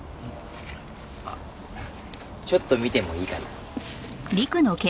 ちょっと見てもいいかな？